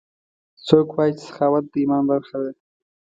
څوک وایي چې سخاوت د ایمان برخه ده